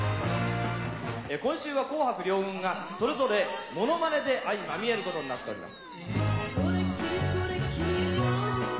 今週は紅白両軍が、それぞれものまねで相まみえることになっております。